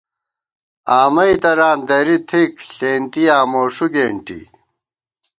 آمَئی تران دَرِی تھِک ، ݪېنتِیاں موݭُو گېنٹی